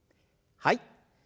はい。